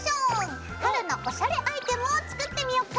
春のおしゃれアイテムを作ってみようか。